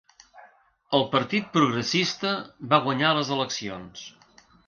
El partit progressista va guanyar les eleccions.